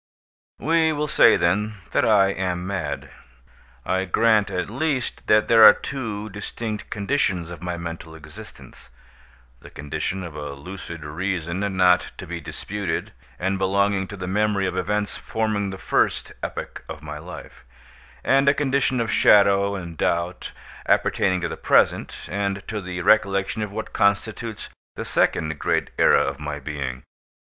We will say, then, that I am mad. I grant, at least, that there are two distinct conditions of my mental existence—the condition of a lucid reason, not to be disputed, and belonging to the memory of events forming the first epoch of my life—and a condition of shadow and doubt, appertaining to the present, and to the recollection of what constitutes the second great era of my being.